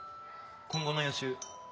今後の予習。